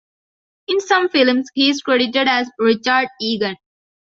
In some films he is credited as Richard Eagan.